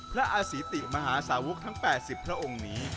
อาศีติมหาสาวกทั้ง๘๐พระองค์นี้